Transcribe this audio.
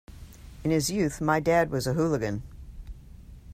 In his youth my dad was a hooligan.